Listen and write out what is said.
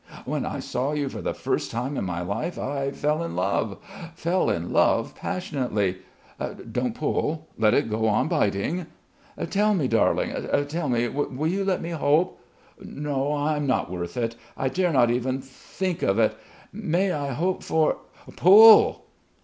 When I saw you for the first time in my life I fell in love fell in love passionately I Don't pull. Let it go on biting.... Tell me, darling, tell me will you let me hope? No! I'm not worth it. I dare not even think of it may I hope for.... Pull!